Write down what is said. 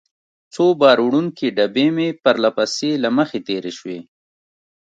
څو بار وړونکې ډبې مې پرله پسې له مخې تېرې شوې.